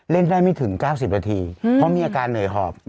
เล่นได้ไม่ถึง๙๐นาทีเพราะมีอาการเหนื่อยหอบ